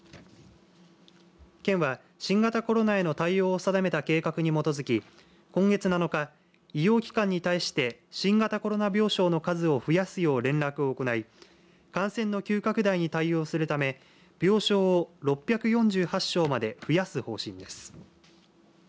県は、新型コロナへの対応を定めた計画に基づき今月７日、医療機関に対して新型コロナ病床の数を増やすよう連絡を行い感染の急拡大に対応するため病床を６４８床まで増やす方針です。